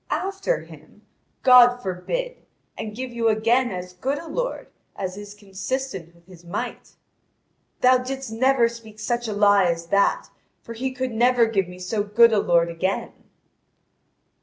"After him? God forbid, and give you again as good a lord, as is consistent with His might." "Thou didst never speak such a lie as that, for He could never give me so good a lord again."